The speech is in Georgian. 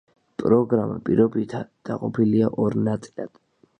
პროგრამა პირობითად დაყოფილია ორ ნაწილად.